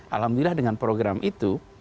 alhamdulillah dengan program itu